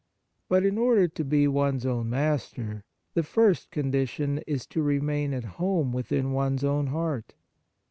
But, in order to be one s own master, the first condition is to remain at home within one s own heart.